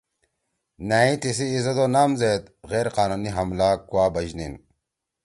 نأ ئی تِسی عزت و نام زیت غیرقانونی حملہ کوابشنِین ۔